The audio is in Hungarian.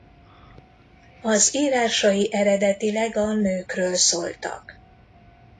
Az írásai eredetileg a nőkről szóltak.